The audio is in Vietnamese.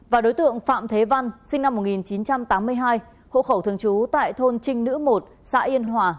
và đối tượng phạm thế văn sinh năm một nghìn chín trăm tám mươi hai hộ khẩu thường trú tại thôn trinh nữ một xã yên hòa